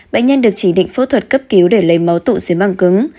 bệnh nhân được chỉ định phẫu thuật cấp cứu để lấy máu tụ dưới mảng cứng